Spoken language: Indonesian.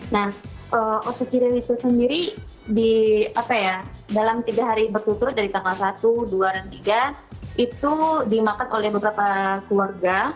nah otsuciri itu sendiri dalam tiga hari bertutur dari tanggal satu dua dan tiga itu dimakan oleh beberapa keluarga